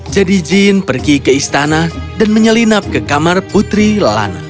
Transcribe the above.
jadi jin pergi ke istana dan menyelinap ke kamar putri lana